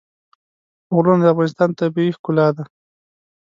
غرونه د افغانستان طبیعي ښکلا ده.